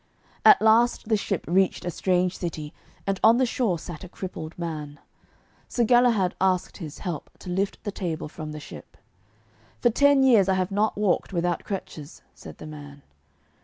At last the ship reached a strange city, and on the shore sat a crippled man. Sir Galahad asked his help to lift the table from the ship. 'For ten years I have not walked without crutches,' said the man.